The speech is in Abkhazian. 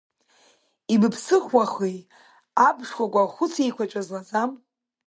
Ибыԥсыхәахуи абшкәакәа хәыцеиқәаҵәа злаӡам!